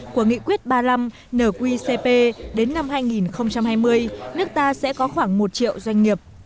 của nghị quyết ba mươi năm nqcp đến năm hai nghìn hai mươi nước ta sẽ có khoảng một triệu doanh nghiệp